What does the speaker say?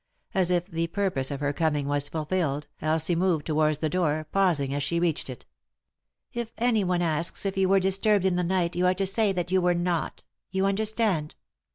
As if the purpose of her coming was fulfilled, Elsie moved towards the door, pausing as she reached it. "If anyone asks if you were disturbed in the night you are to say that you were not — you under stand